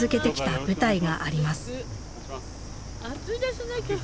暑いですね今日。